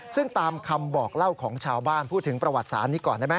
ซึ่งตามคำบอกเล่าของชาวบ้านพูดถึงประวัติศาสตร์นี้ก่อนได้ไหม